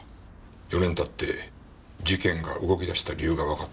４年経って事件が動き出した理由がわかったな。